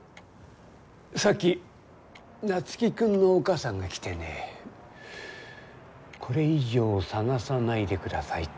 さっき夏樹君のお母さんが来てねこれ以上探さないでくださいって。